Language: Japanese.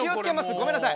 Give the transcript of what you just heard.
ごめんなさい。